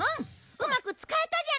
うまく使えたじゃない！